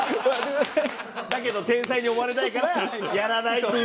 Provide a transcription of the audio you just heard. だけど天才に思われたいからやらないっていう。